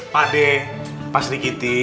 pak d pak serigiti